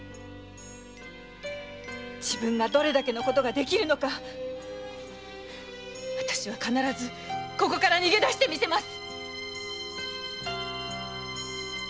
自分がどれだけのことができるのかわたしは必ずここから逃げ出してみせます！